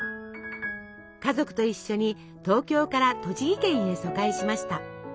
家族と一緒に東京から栃木県へ疎開しました。